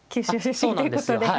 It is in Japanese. そうなんですよはい。